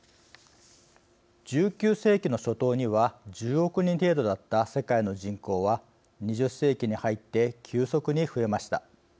１９世紀の初頭には１０億人程度だった世界の人口は２０世紀に入って急速に増えました。